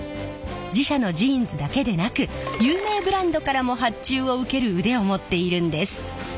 自社のジーンズだけでなく有名ブランドからも発注を受ける腕を持っているんです。